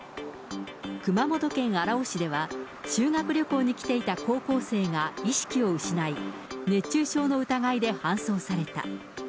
熊本県荒尾市では、修学旅行に来ていた高校生が意識を失い、熱中症の疑いで搬送された。